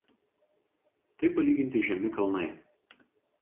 Tai palyginti žemi kalnai.